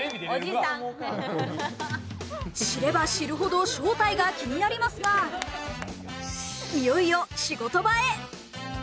知れば知るほど正体が気になりますが、いよいよ仕事場へ。